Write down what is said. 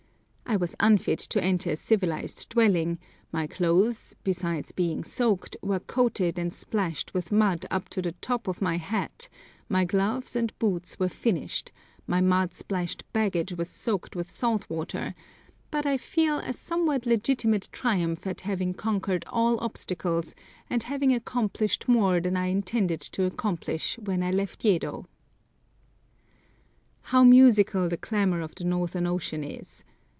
I was unfit to enter a civilised dwelling; my clothes, besides being soaked, were coated and splashed with mud up to the top of my hat; my gloves and boots were finished, my mud splashed baggage was soaked with salt water; but I feel a somewhat legitimate triumph at having conquered all obstacles, and having accomplished more than I intended to accomplish when I left Yedo. How musical the clamour of the northern ocean is!